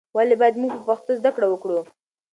ولې باید موږ په پښتو زده کړه وکړو؟